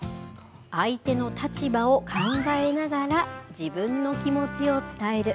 相手の立場を考えながら自分の気持ちを伝える。